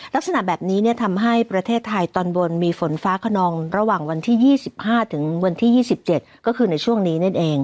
ลักษณะแบบนี้ทำให้ไทยมีฝนฟ้าขนองระหว่างวันที่๒๕๒๗ก็คือในวันช่วงนี้